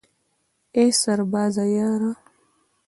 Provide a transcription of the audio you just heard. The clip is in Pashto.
ای سربازه یاره